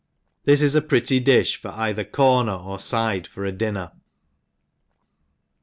This is a pretty difh for either corner or fide* for a dinner.